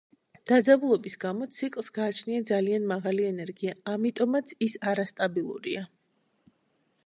დაძაბულობის გამო ციკლს გააჩნია ძალიან მაღალი ენერგია, ამიტომაც ის არასტაბილურია.